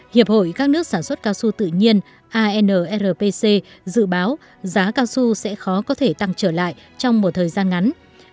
hiệp hội các nước sản xuất cao su tự nhiên anrpc dự báo giá cao su sẽ khó có thể tăng trở lại trong một thời gian ngắn